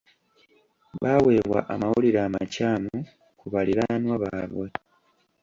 Baaweebwa amawulire amakyamu ku baliraanwa baabwe.